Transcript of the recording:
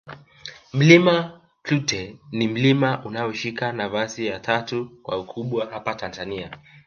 Mlima Klute ni mlima unaoshika nafasi ya tatu kwa ukubwa hapa Tanzania